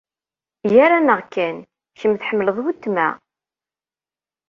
Gar-aneɣ kan, kemm tḥemmleḍ weltma?